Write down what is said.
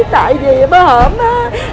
tại vì bơ hổm á